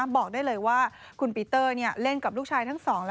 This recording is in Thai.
บอกได้เลยว่าคุณปีเตอร์เล่นกับลูกชายทั้งสอง